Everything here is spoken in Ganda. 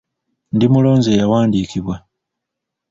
Ndi mulonzi eyawandiikibwa.